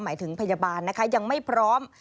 หมายถึงพยาบาลนะคะยังไม่พร้อม